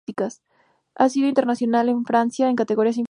Ha sido internacional con Francia en categorías inferiores.